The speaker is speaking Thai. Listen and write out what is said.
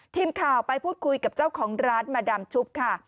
ทีมข่าวไปพูดคุยกับเจ้าของร้านมาดามชุบค่ะ